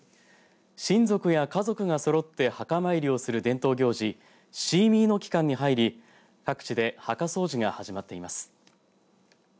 親族や家族がそろって墓参りをする伝統行事シーミーの期間に入り各地で墓掃除が始まっています。